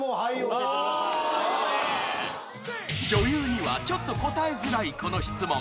［女優にはちょっと答えづらいこの質問］